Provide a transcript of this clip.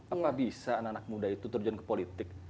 apa bisa anak anak muda itu terjun ke politik